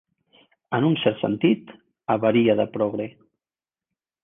En un cert sentit, avaria de progre.